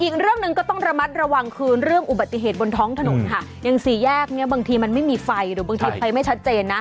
อีกเรื่องหนึ่งก็ต้องระมัดระวังคือเรื่องอุบัติเหตุบนท้องถนนค่ะอย่างสี่แยกเนี้ยบางทีมันไม่มีไฟหรือบางทีไฟไม่ชัดเจนนะ